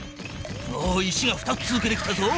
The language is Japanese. おお石が２つ続けて来たぞ。